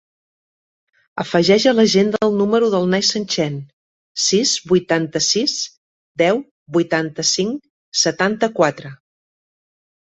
Afegeix a l'agenda el número del Neizan Chen: sis, vuitanta-sis, deu, vuitanta-cinc, setanta-quatre.